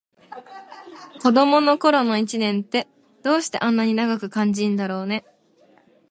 子どもの頃の一年って、どうしてあんなに長く感じたんだろうね。